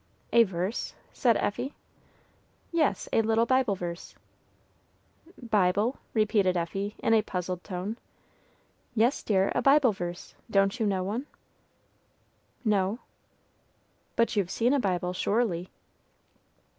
"A verse?" said Effie. "Yes, a little Bible verse." "Bible?" repeated Effie, in a puzzled tone. "Yes, dear, a Bible verse. Don't you know one?" "No." "But you've seen a Bible, surely."